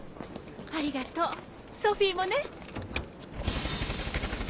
ありがとうソフィーもね。